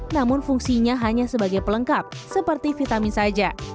namun fungsinya hanya sebagai pelengkap seperti vitamin saja